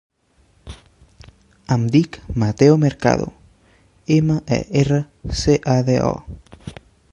Em dic Mateo Mercado: ema, e, erra, ce, a, de, o.